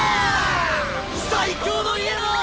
最強の家だ！